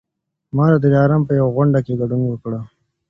ما د دلارام په یوه غونډه کي ګډون وکړی